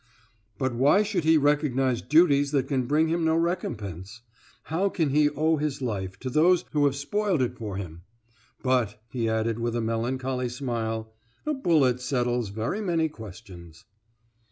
"But why should he recognize duties that can bring him no recompense? How can he owe his life to those who have spoiled it for him? But," he added with a melancholy smile, "a bullet settles very many questions."